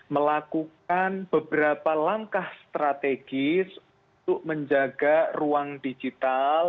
melakukan beberapa langkah strategis untuk menjaga ruang digital